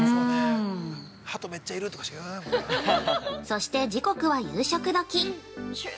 ◆そして時刻は夕食時。